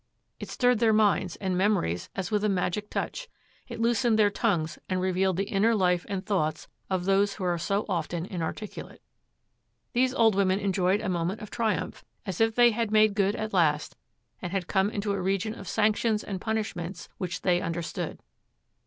It stirred their minds and memories as with a magic touch; it loosened their tongues and revealed the inner life and thoughts of those who are so often inarticulate. These old women enjoyed a moment of triumph, as if they had made good at last and had come into a region of sanctions and punishments which they understood.